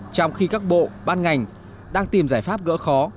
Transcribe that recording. trong khi các bộ ban ngành đang tìm giải pháp gỡ khó